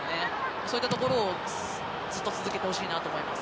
そういったところをずっと続けてほしいなと思います。